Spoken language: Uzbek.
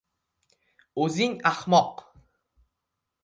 — O‘zing ahmoq!